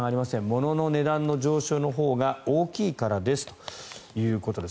ものの値段の上昇のほうが大きいからですということです。